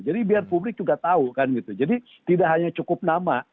jadi biar publik juga tahu jadi tidak hanya cukup nama